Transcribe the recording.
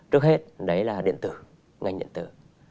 trước hết đấy là điện tử ngành điện tử